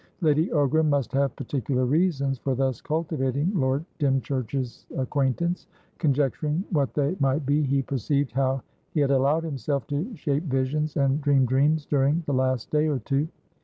Lady Ogram must have particular reasons for thus cultivating Lord Dymchurch's acquaintance; conjecturing what they might be, he perceived how he had allowed himself to shape visions and dream dreams during the last day or two.